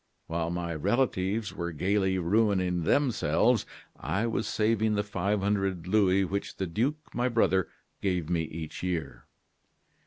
While my relatives were gayly ruining themselves, I was saving the five hundred louis which the duke, my brother, gave me each year.